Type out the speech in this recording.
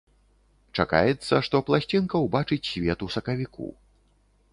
Чакаецца, што пласцінка ўбачыць свет у сакавіку.